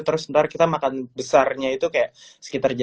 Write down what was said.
terus ntar kita makan besarnya itu kayak sekitar jam satu jam dua tiga